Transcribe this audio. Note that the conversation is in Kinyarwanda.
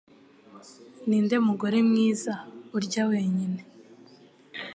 Ninde mugore mwiza urya wenyine?